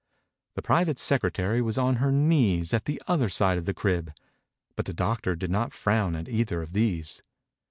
The private secretary was on her knees at the other side of the crib. But the doctor did not frown at either of these.